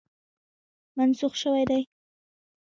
منسوخ شوی دی.